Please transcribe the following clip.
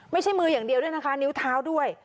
ไม่ใช่มืออย่างเดียวด้วยนะคะนิ้วเท้าด้วย